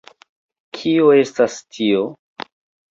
Kio estas tio?